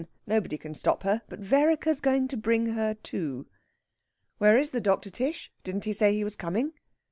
Nobody can stop her. But Vereker's going to bring her to." "Where is the doctor, Tish? Didn't he say he was coming?"